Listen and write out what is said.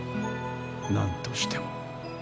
何としても。